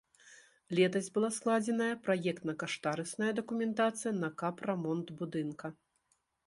Летась была складзеная праектна-каштарысная дакументацыя на капрамонт будынка.